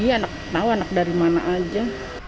iya anak tahu anak dari mana saja